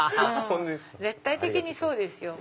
絶対的にそうですよ。